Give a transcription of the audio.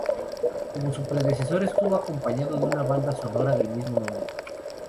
Como su predecesor, estuvo acompañado de una banda sonora del mismo nombre.